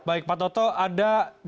baik pak toto ada